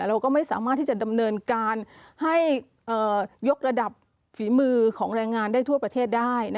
เราก็ไม่สามารถที่จะดำเนินการให้ยกระดับฝีมือของแรงงานได้ทั่วประเทศได้